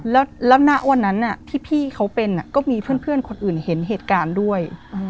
แล้วณวันนั้นที่พี่เขาเป็นก็มีเพื่อนคนอื่นเห็นเหตุการณ์ด้วย